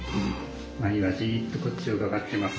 まりはじっとこっちをうかがってます。